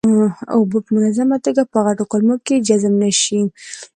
اوبه په منظمه توګه په غټو کولمو کې جذب نشي.